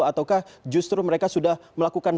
ataukah justru mereka sudah melakukan